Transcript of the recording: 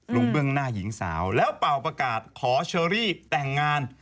เบื้องหน้าหญิงสาวแล้วเป่าประกาศขอเชอรี่แต่งงาน